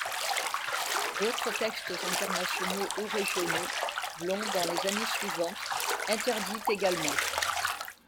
D'autres textes internationaux ou régionaux l'ont, dans les années suivantes, interdite également.